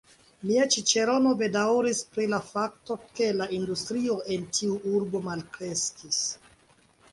Mia ĉiĉerono bedaŭris pri la fakto, ke la industrio en tiu urbo malkreskis.